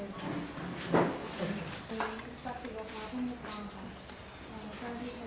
สวัสดีครับ